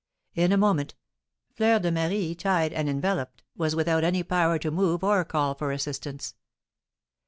In a moment, Fleur de Marie, tied and enveloped, was without any power to move or call for assistance.